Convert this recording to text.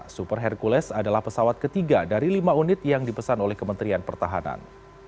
super hercules adalah pesawat ketiga dari lima unit yang dipesan oleh kementerian pertahanan